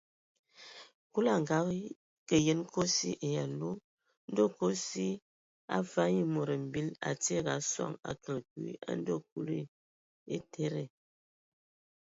Kulu a ngakǝ yen kosi ai alu, ndɔ kosi a ngafag nye mod mbil a tiege a sɔŋ a kələg kwi a ndɛ Kulu a etede.